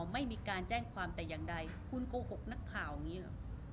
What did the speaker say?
ไม่มีการแจ้งความแต่อย่างใดคุณโกหกนักข่าวอย่างนี้เหรอ